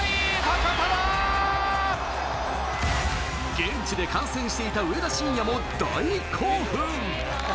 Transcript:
現地で観戦していた上田晋也も大興奮！